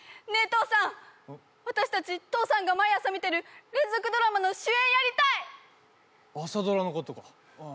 父さん私達父さんが毎朝見てる連続ドラマの主演やりたい朝ドラのことか？